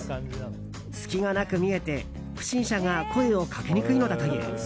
隙がなく見えて、不審者が声をかけにくいのだという。